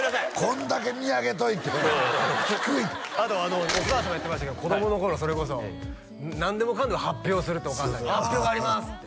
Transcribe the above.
こんだけ見上げといて低いあとお母さんが言ってましたけど子供の頃それこそ何でもかんでも発表するってお母さんに「発表があります！」って